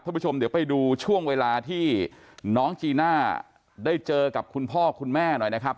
ผู้ชมเดี๋ยวไปดูช่วงเวลาที่น้องจีน่าได้เจอกับคุณพ่อคุณแม่หน่อยนะครับ